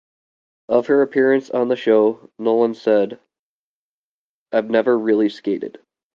Of her appearance on the show Nolan said, I've never really skated.